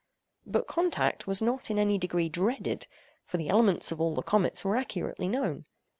But contact was not in any degree dreaded; for the elements of all the comets were accurately known.